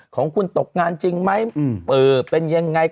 ของคุณตกงานจริงไหมเป็นยังไง